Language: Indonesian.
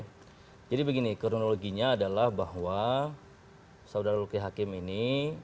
ya jadi begini kronologinya adalah bahwa saudara luki hakim ini